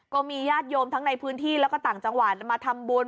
ก็มีญาติโยมทั้งในพื้นที่แล้วก็ต่างจังหวัดมาทำบุญ